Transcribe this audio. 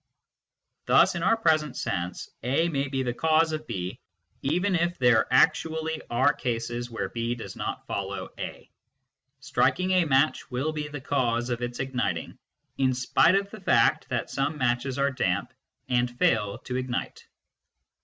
Thus in our present sense, A may be the cause of B even if there actually are cases where B does not follow A. Striking a match will be the cause of its igniting, in spite of the fact that some matches are damp and fail to ignite.